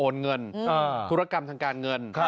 เงินธุรกรรมทางการเงิน